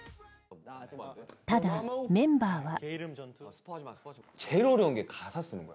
ただ、メンバーは。